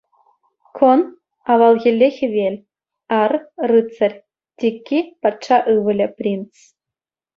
Кӑн — авалхилле хӗвел, ар — рыцарь, тикки — патша ывӑлӗ, принц.